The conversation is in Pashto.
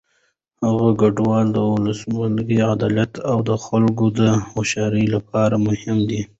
د هغوی ګډون د ولسواکۍ، عدالت او د خلکو د هوساینې لپاره مهم دی.